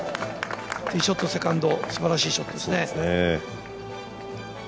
ティーショット、セカンド、すばらしいショットですね。